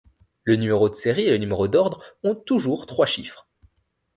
Le numéro de série et le numéro d'ordre ont toujours trois chiffres.